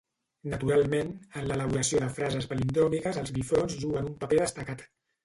Naturalment, en l'elaboració de frases palindròmiques els bifronts juguen un paper destacat.